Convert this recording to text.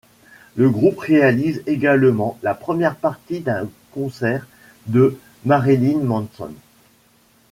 Le groupe réalise également la première partie d'un concert de Marilyn Manson.